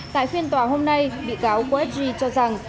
tại phiên tòa hôm nay bị cáo westg cho rằng